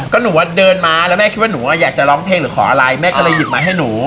ก็หนูว่าเดินมาแล้วแม่คิดว่าหนูอยากจะร้องเพลงหรือขออะไรแม่ก็เลยหยิบมาให้หนู